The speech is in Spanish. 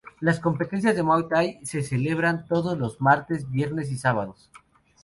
Las competencias de Muay Thai se celebran todos los martes, viernes y sábados.